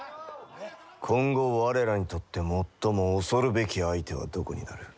今後我らにとって最も恐るべき相手はどこになる？